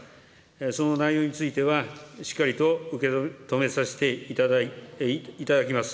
その内容については、しっかりと受け止めさせていただきます。